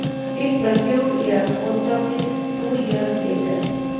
It procured a post office two years later.